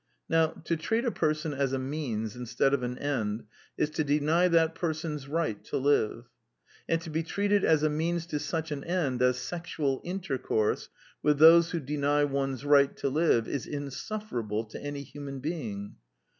Now to treat a person as a means instead of an end is to detiy that person's right to live. And to be treated as a means to such an end as sexual intercourse with those who deny one's right to live is insufferable to any human being.